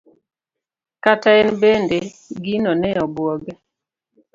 kata en bende gino ne obuoge.